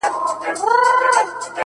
څنگه سو مانه ويل بنگړي دي په دسمال وتړه !